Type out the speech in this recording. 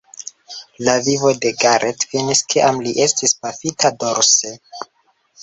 La vivo de Garrett finis kiam li estis pafita dorse.